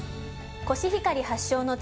コシヒカリ発祥の地